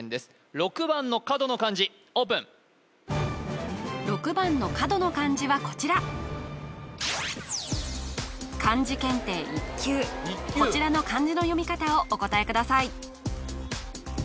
６番の角の漢字オープン６番の角の漢字はこちらこちらの漢字の読み方をお答えください